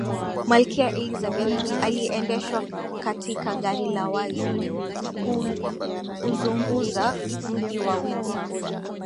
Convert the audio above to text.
malkia elizabeth aliendeshwa katika gari la wazi kuuzunguza mji wa windsor